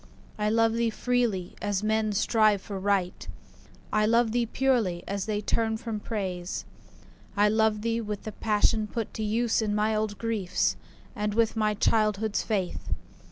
I love thee freely, as men strive for Right; I love thee purely, as they turn from Praise. I love thee with the passion put to use In my old griefs, and with my childhood's faith.